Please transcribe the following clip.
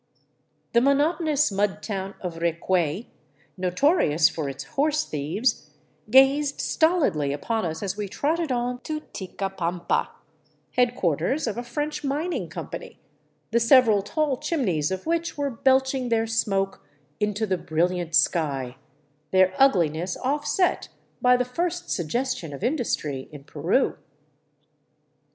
The monotonous mud town of Recuay, no torious for its horse thieves, gazed stoHdly upon us as we trotted on to Ticapampa, headquarters of a French mining company, the several tall chimneys of which were belching their smoke into the brilliant sky, their ugliness offset by the first suggestion of industry in Peru.